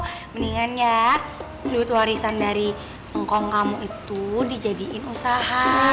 oh mendingan ya duit parisan dari ngkong kamu itu dijadiin usaha